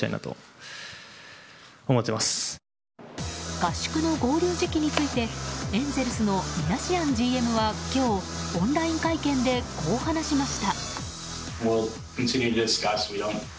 合宿の合流時期についてエンゼルスのミナシアンＧＭは今日、オンライン会見でこう話しました。